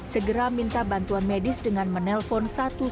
segera minta bantuan medis dengan menelpon satu ratus dua belas